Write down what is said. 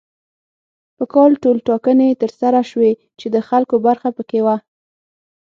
په کال ټولټاکنې تر سره شوې چې د خلکو برخه پکې وه.